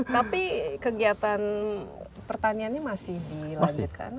tapi kegiatan pertaniannya masih dilanjutkan